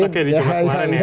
oke di jumat kemarin ya